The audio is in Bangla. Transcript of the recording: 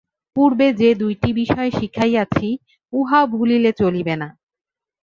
পূর্বে যে দুইটি বিষয় শিখাইয়াছি, উহাও ভুলিলে চলিবে না।